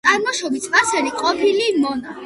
წარმოშობით სპარსელი, ყოფილი მონა.